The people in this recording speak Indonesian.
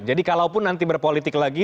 jadi kalau pun nanti berpolitik lagi